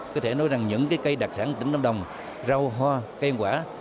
có thể nói rằng những cây đặc sản tỉnh lâm đồng rau hoa cây quả